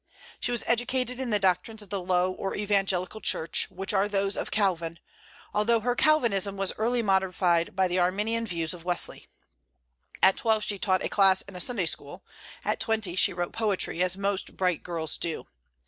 She was educated in the doctrines of the Low or Evangelical Church, which are those of Calvin, although her Calvinism was early modified by the Arminian views of Wesley. At twelve she taught a class in a Sunday school; at twenty she wrote poetry, as most bright girls do.